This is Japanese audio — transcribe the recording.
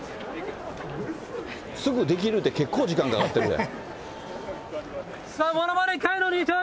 すぐできるって、結構、時間かかってるで。